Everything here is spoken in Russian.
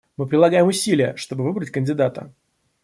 Мы прилагаем усилия, чтобы выбрать кандидата.